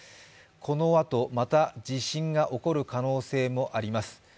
このあとまた地震が起こる可能性もあります。